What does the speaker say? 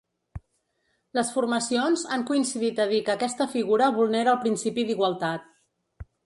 Les formacions han coincidit a dir que aquesta figura vulnera el principi d’igualtat.